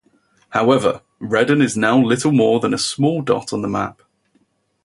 However, Redden is now little more than a small dot on the map.